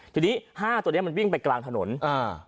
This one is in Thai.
ทีนี้ห้าตัวเนี้ยมันวิ่งไปกลางถนนอ่า